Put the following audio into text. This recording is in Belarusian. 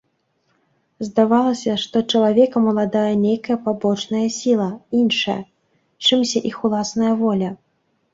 Здавалася, што чалавекам уладае нейкая пабочная сіла, іншая, чымся іх уласная воля.